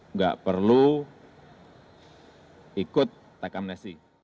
enggak perlu ikut tax amnesty